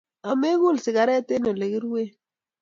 Amegul sigaret eng olegiruen